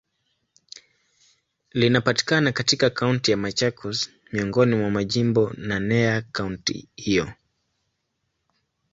Linapatikana katika Kaunti ya Machakos, miongoni mwa majimbo naneya kaunti hiyo.